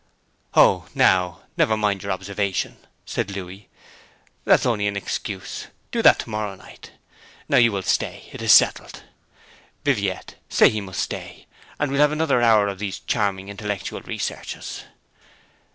'Oh, now, never mind your observation,' said Louis. 'That's only an excuse. Do that to morrow night. Now you will stay. It is settled. Viviette, say he must stay, and we'll have another hour of these charming intellectual researches.'